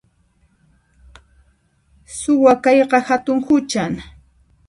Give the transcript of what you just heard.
Suwa kayqa hatun huchan